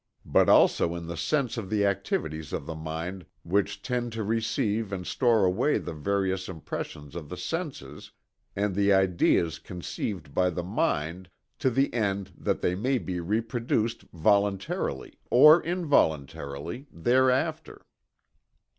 but also in the sense of the activities of the mind which tend to receive and store away the various impressions of the senses, and the ideas conceived by the mind, to the end that they may be reproduced voluntarily, or involuntarily, thereafter.